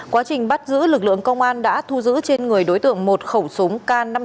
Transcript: quá trình bắt giữ lực lượng công an đã thu giữ trên người đối tượng một khẩu súng k năm mươi